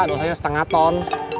dosa nya setengah ton